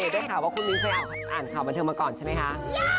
บอกว่าคุณมิ้งไว้อ่านข่าวบันเทิงมาก่อนใช่ไหมฮะ